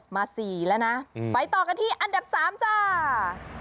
มา๔แล้วนะไปต่อกันที่อันดับ๓จ้า